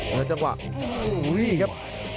แล้วจังหวะโอ้โหนี่ครับ